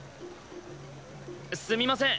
すみません。